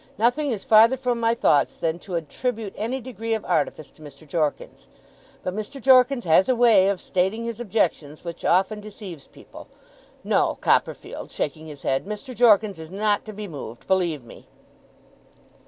Nothing is farther from my thoughts than to attribute any degree of artifice to Mr. Jorkins. But Mr. Jorkins has a way of stating his objections which often deceives people. No, Copperfield!' shaking his head. 'Mr. Jorkins is not to be moved, believe me!